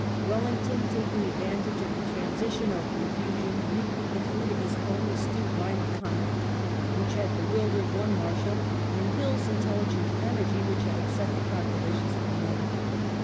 Wellington, taJdng advantage of the transition or confusion^ reaped the fruit of his own astute line of conduct which had bewildered one Marshal, and Hill's intelligent energy which had upset the calculations of another.